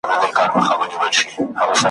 زړه دي وچوه غمازه د بخت ستوری مي ځلیږي `